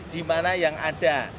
di mana yang ada